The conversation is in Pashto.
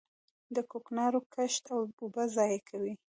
د کوکنارو کښت اوبه ضایع کوي.